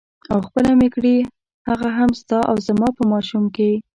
او خپله مې کړې هغه هم ستا او زما په ماشوم کې.